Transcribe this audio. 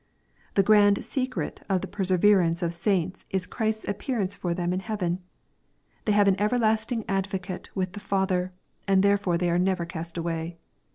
The grand secret of the perseverance of saints is Christ's appearance for them in heaven. They have an everlasting Advocate with the Father, and there fore they are never cast away.